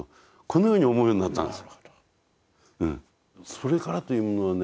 それからというものはね